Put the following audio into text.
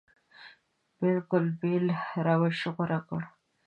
بلکل بېل روش غوره کړ.